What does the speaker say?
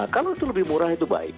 kalau itu lebih murah itu baik